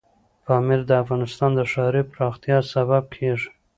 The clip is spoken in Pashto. پامیر د افغانستان د ښاري پراختیا سبب کېږي.